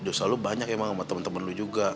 dosa lu banyak emang sama temen temen lu juga